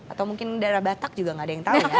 atau mungkin daerah batak juga nggak ada yang tahu ya